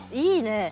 いいね。